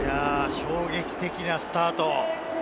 衝撃的なスタート。